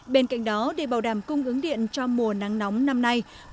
bên cạnh đó để bảo đảm cung ứng điện cho mùa nắng nóng năm nay